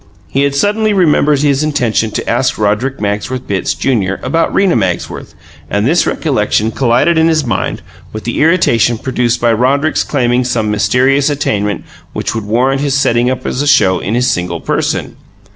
He had suddenly remembered his intention to ask Roderick Magsworth Bitts, Junior, about Rena Magsworth, and this recollection collided in his mind with the irritation produced by Roderick's claiming some mysterious attainment which would warrant his setting up as a show in his single person.